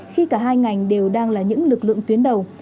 khi cả hai ngành đều đang là những lực lượng tuyến đầu